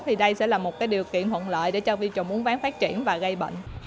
thì đây sẽ là một điều kiện thuận lợi để cho vi trùng uốn ván phát triển và gây bệnh